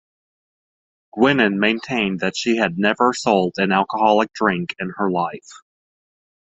Guinan maintained that she had never sold an alcoholic drink in her life.